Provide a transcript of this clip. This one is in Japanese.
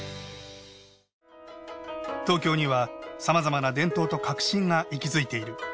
東京にはさまざまな伝統と革新が息づいている。